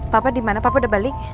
papa dimana papa udah balik